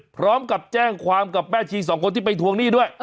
พร้อมกับแจ้งความกับแม่ชีสองคนที่ไปทวงหนี้ด้วย